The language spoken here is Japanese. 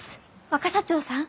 若社長さん？